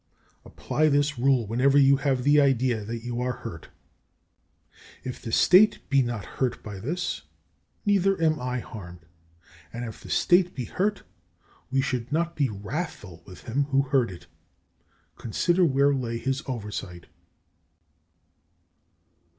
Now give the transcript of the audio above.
Apply this rule whenever you have the idea that you are hurt. If the state be not hurt by this, neither am I harmed, and if the state be hurt we should not be wrathful with him who hurt it. Consider where lay his oversight.